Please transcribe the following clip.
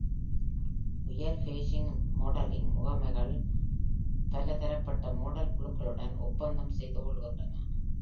உயர் fashion modelling முகமைகள் பல தரப்பட்ட மாடல் குழுக்களுடன் ஒப்பந்தம் செய்து கொள்கின்றன.